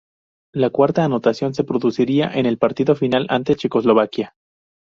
La cuarta anotación se produciría en el partido final ante Checoslovaquia.